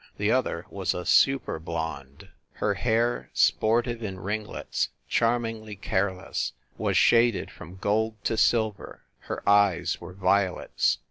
The other was a super blonde. Her hair, sportive in ringlets, charmingly careless, was shaded from gold to silver, her eyes were violets.